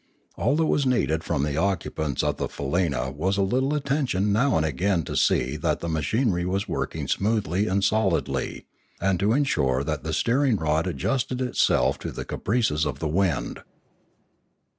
All that was needed from the occupants of the faleena was a little attention now and again to see that the ma chinery was working smoothly and solidly, and to en sure that the steering rod adjusted itself to the caprices of the wind.